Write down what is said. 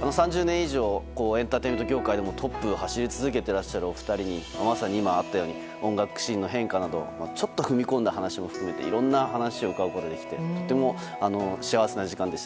３０年以上エンターテインメント業界でもトップを走り続けているお二人に、まさに今あったように音楽シーンの変化などちょっと踏み込んだ話も含めていろんなお話を伺うことができて幸せな時間でした。